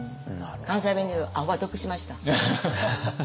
関西弁で言うアホは得しました。